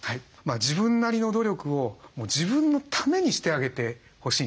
自分なりの努力を自分のためにしてあげてほしいんですね。